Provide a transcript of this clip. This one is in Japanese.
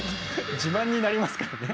自慢になりますからね。